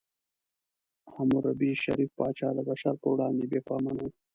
حموربي، شریف پاچا، د بشر په وړاندې بې پامه نه و.